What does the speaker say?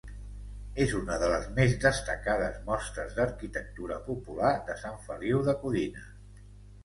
És una de les més destacades mostres d'arquitectura popular de Sant Feliu de Codines.